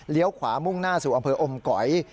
ขวามุ่งหน้าสู่อำเภออมก๋อย